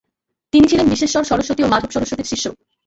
তিনি ছিলেন বিশ্বেশ্বর সরস্বতী ও মাধব সরস্বতীর শিষ্য।